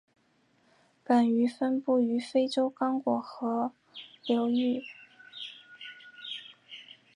本鱼分布于非洲刚果河流域。